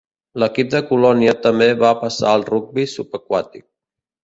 L'equip de Colònia també es va passar al rugbi subaquàtic.